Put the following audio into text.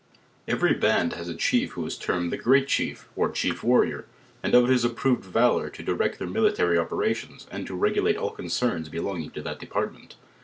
Kvery bnnd has i chif j f who is termed the great chief, or chief warrior; ar:d of his approved valor, to direct their mili tary operations, and to regulate all concers belonging to that department.